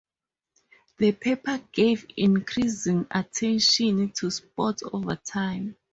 The paper gave increasing attention to sports over time.